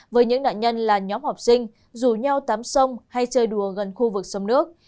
khi các học sinh rủ nhau tắm sông hay chơi đùa gần khu vực sông nước